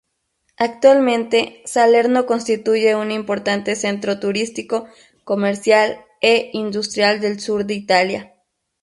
Actualmente Salerno constituye un importante centro turístico, comercial e industrial del sur de Italia.